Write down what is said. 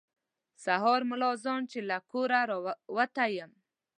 سهار ملا اذان چې له کوره راوتی یم.